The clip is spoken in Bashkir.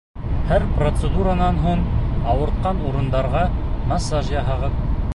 Һәр процедуранан һуң ауыртҡан урындарға массаж яһағыҙ.